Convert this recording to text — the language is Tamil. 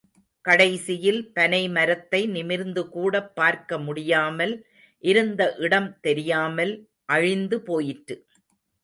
கடைசியில் பனைமரத்தை நிமிர்ந்து கூடப் பார்க்க முடியாமல், இருந்த இடம் தெரியாமல் அழிந்து போயிற்று.